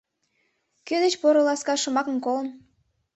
Кӧн деч поро-ласка шомакым колын?